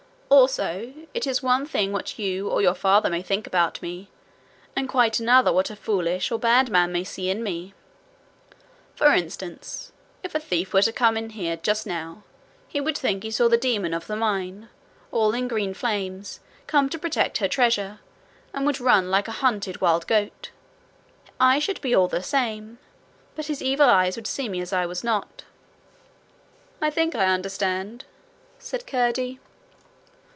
Also, it is one thing what you or your father may think about me, and quite another what a foolish or bad man may see in me. For instance, if a thief were to come in here just now, he would think he saw the demon of the mine, all in green flames, come to protect her treasure, and would run like a hunted wild goat. I should be all the same, but his evil eyes would see me as I was not.' 'I think I understand,' said Curdie.